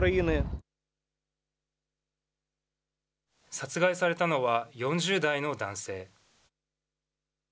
殺害されたのは、４０代の男性。